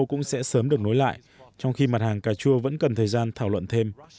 cũng sẽ sớm được nối lại trong khi mặt hàng cà chua vẫn cần thời gian thảo luận thêm